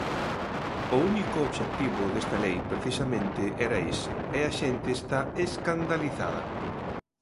O único obxectivo desta lei precisamente era ese, e a xente está escandalizada.